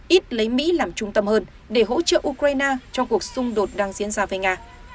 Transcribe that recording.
ít lấy mỹ làm trung tâm hơn để hỗ trợ ukraine trong cuộc xung đột đang diễn ra với nga